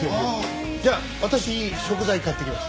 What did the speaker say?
じゃあ私食材買ってきます。